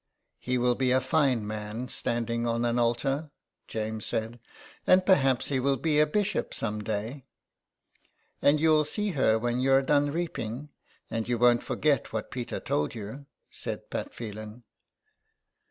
" He will be a fine man standing on an altar," James said, " and perhaps he will be a bishop some day." " And you'll see her when you're done reaping, and you won't forget what Peter told you," said Pat Phelan.